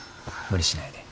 無理しないで。